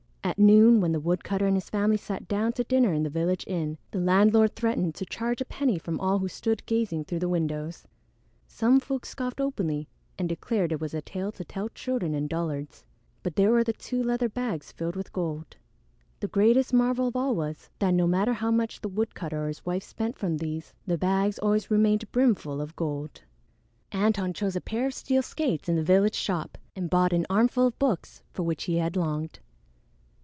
At noon, when the woodcutter and his family sat down to dinner in the village inn, the landlord threatened to charge a penny from all who stood gazing through the windows. Some folk scoffed openly and declared it was a tale to tell children and dullards; but there were the two leather bags filled with gold. The greatest marvel of all was, that no matter how much the woodcutter or his wife spent from these, the bags always remained brimful of gold! Antone chose a pair of steel skates in the village shop and bought an armful of books for which he had longed.